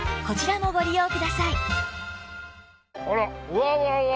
うわうわ